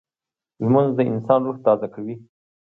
لمونځ د انسان روح تازه کوي